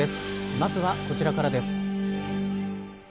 まずは、こちらからです。